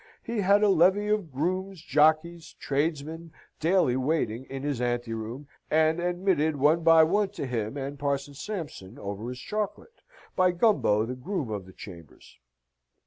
He had a levee of grooms, jockeys, tradesmen, daily waiting in his anteroom, and admitted one by one to him and Parson Sampson, over his chocolate, by Gumbo, the groom of the chambers.